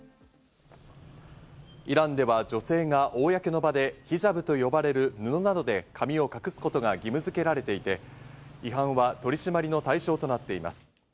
イランでは女性が公の場でヒジャブと呼ばれる布などで髪を隠すことが義務づけられていて、違反は取り締まりの対象となっています。